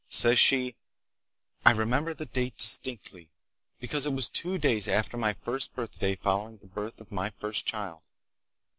Says she: "I remember the date distinctly, because it was two days after my first birthday following the birth of my first child."